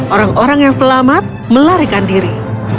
orang orang yang selamat melarikan diri